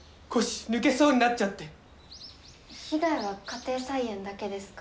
被害は家庭菜園だけですか？